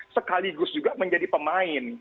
sekaligus juga menjadi pemain